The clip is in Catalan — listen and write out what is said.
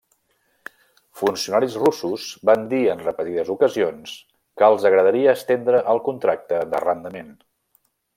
Funcionaris russos van dir en repetides ocasions que els agradaria estendre el contracte d'arrendament.